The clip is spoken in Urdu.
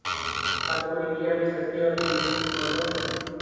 خاتون انڈیا میں سستے اور لذیذ کھانوں